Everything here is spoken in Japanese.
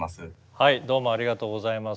はいどうもありがとうございます。